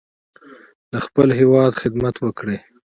د خپل هیواد خدمت وکړئ.